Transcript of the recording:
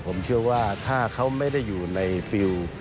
ผมเชื่อว่าถ้าเขาไม่ได้อยู่ในฟิล